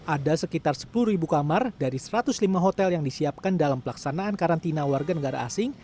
ada sekitar sepuluh kamar dari satu ratus lima hotel yang disiapkan dalam pelaksanaan karantina warga negara asing